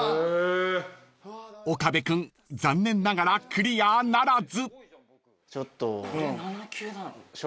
［岡部君残念ながらクリアならず］